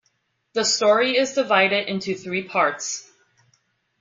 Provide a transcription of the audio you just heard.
The story is divided into three parts.